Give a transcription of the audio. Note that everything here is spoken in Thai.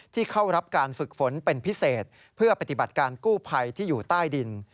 เข้ารับการฝึกฝนเป็นพิเศษเพื่อปฏิบัติการกู้ภัยที่อยู่ใต้ดิน